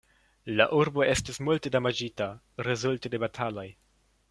La urbo estis multe damaĝita rezulte de bataloj.